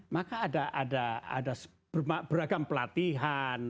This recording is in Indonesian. maka ada beragam pelatihan